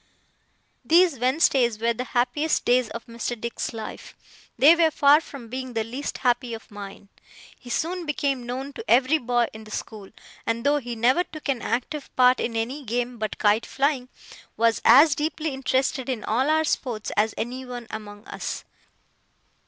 These Wednesdays were the happiest days of Mr. Dick's life; they were far from being the least happy of mine. He soon became known to every boy in the school; and though he never took an active part in any game but kite flying, was as deeply interested in all our sports as anyone among us.